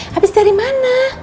habis dari mana